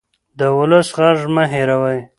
د ولس غږ مه هېروئ